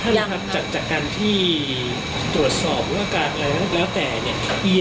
ท่านครับจากการที่ตรวจสอบว่าอาการอะไรแล้วแต่เนี่ย